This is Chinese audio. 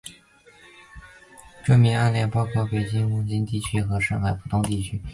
著名的案例包括北京的望京地区和上海的浦东新区。